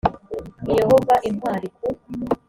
ni yehova intwari ku